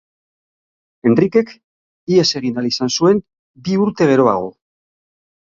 Henrikek ihes egin ahal izan zuen bi urte geroago.